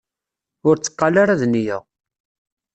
Ur tteqqal ara d nneyya!